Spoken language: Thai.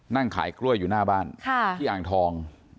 นั่งขายกล้วยอยู่หน้าบ้านที่อ่างทอง